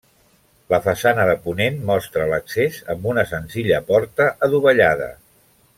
La façana de ponent mostra l'accés amb una senzilla porta adovellada.